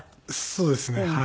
そうですねはい。